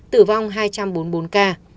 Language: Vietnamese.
tử vong hai trăm bốn mươi bốn ca